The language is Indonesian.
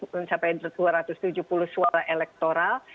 mencapai dua ratus tujuh puluh suara elektoral